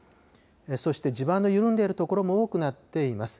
そして地盤の緩んでいる所も多くなっています。